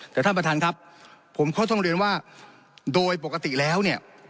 แต่ท่านประธานครับผมเขาต้องเรียนว่าโดยปกติแล้วเนี่ย